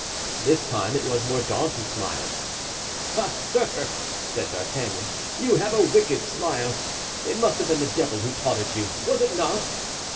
This time it was Mordaunt who smiled. "Ah, sir," said D'Artagnan, "you have a wicked smile. It must have been the devil who taught it you, was it not?"